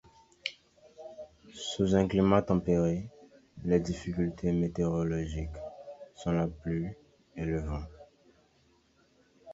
Sous un climat tempéré, les difficultés météorologiques sont la pluie et le vent.